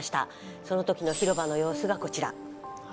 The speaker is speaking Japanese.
その時の広場の様子がこちら。